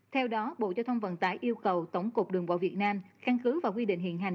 theo đó bộ giao thông vận tải yêu cầu tổng cục đường bộ việt nam căn cứ và quy định hiện hành